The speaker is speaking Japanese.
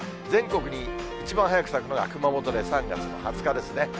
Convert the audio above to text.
全国で一番早く咲くのが熊本で３月の２０日ですね。